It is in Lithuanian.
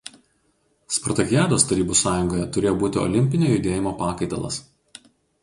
Spartakiados Tarybų Sąjungoje turėjo būti olimpinio judėjimo pakaitalas.